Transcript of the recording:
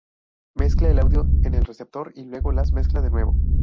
Mezcla el audio en el receptor y luego las mezcla de nuevo.